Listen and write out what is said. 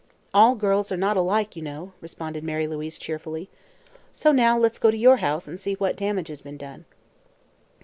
"All girls are not alike, you know," responded Mary Louise cheerfully. "So now, let's go to your house and see what damage has been done."